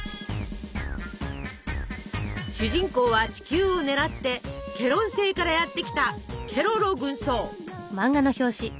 主人公は地球を狙ってケロン星からやって来たケロロ軍曹。